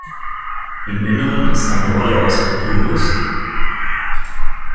Im Inneren ist eine Rolle aus Papyrus.